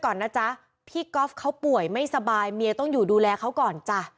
ก่อนนะจ๊ะพี่ก๊อฟเขาป่วยไม่สบายเมียต้องอยู่ดูแลเขาก่อนจ้ะ